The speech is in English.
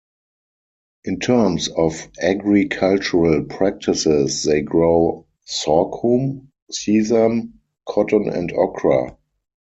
In terms of agricultural practices, they grow sorghum, sesame, cotton and okra.